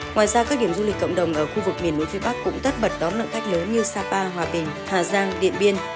ngoài ra các điểm du lịch cộng đồng ở khu vực miền núi phía bắc cũng tất bật đón lượng khách lớn như sapa hòa bình hà giang điện biên